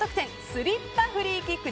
スリッパフリーキック！！